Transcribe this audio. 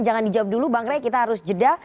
jangan dijawab dulu bang rey kita harus jeda